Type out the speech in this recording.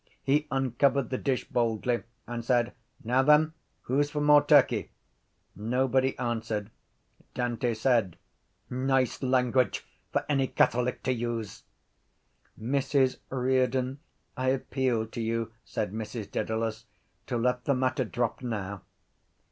He uncovered the dish boldly and said: —Now then, who’s for more turkey? Nobody answered. Dante said: —Nice language for any catholic to use! —Mrs Riordan, I appeal to you, said Mrs Dedalus, to let the matter drop now.